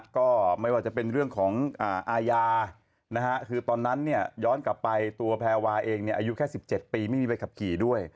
ก็ไม่ว่าจะเป็นเรื่องของอาญาคือตอนนั้นเนี่ยย้อนกลับไปตัวแพรวาเองอายุแค่๑๗ปีไม่มีใบขับขี่ด้วย